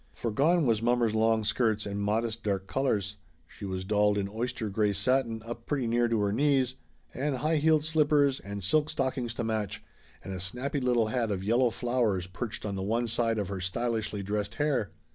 For gone was mommer's long skirts and modest dark colors. She was dolled in oyster gray satin up pretty near to her knees, and high heeled slippers and silk stockings to match, and a snappy little hat of yellow flowers perched on the one side of her stylishly dressed hair.